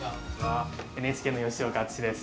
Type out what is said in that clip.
ＮＨＫの吉岡篤史です。